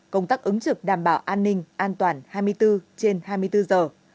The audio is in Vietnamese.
công tác ứng trực đảm bảo an ninh an toàn hai mươi bốn trên hai mươi bốn giờ